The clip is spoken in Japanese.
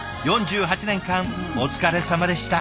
４８年間お疲れさまでした。